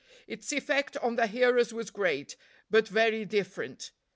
Its effect on the hearers was great, but very different.